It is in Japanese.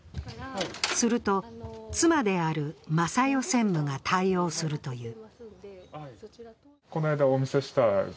すると、妻である昌代専務が対応するという。